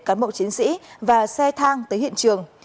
cán bộ chiến sĩ và xe thang tới hiện trường